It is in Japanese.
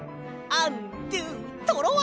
アンドゥトロワ！